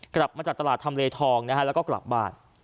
กลับมาจากตลาดทำเลทองนะฮะแล้วก็กลับบ้าน